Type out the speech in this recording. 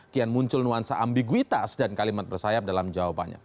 kian muncul nuansa ambiguitas dan kalimat bersayap dalam jawabannya